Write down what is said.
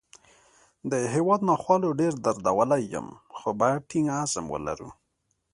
د هیواد ناخوالو ډېر دردولی یم، خو باید ټینګ عزم ولرو